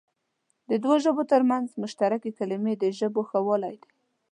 د دوو ژبو تر منځ مشترکې کلمې د ژبو ښهوالی دئ.